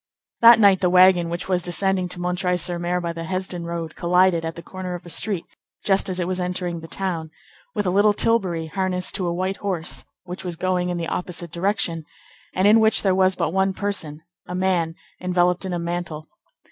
That night the wagon which was descending to M. sur M. by the Hesdin road, collided at the corner of a street, just as it was entering the town, with a little tilbury harnessed to a white horse, which was going in the opposite direction, and in which there was but one person, a man enveloped in a mantle.